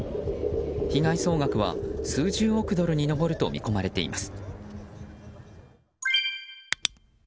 被害総額は数十億ドルに上ると見込まれています。